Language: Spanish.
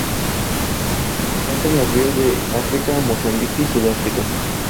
Se encuentran en ríos de África:Mozambique y Sudáfrica.